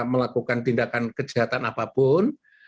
melakukan tindakan kejahatan apapun